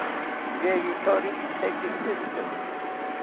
Yeyithori icheki tzitzi